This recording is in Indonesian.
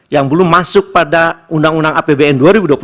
yang belum masuk pada undang undang apbn dua ribu dua puluh